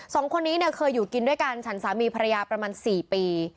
สองคนนี้เนี่ยเคยอยู่กินด้วยกันฉันสามีภรรยาประมาณ๔ปี